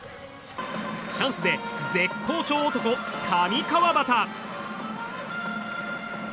チャンスで絶好調男、上川畑。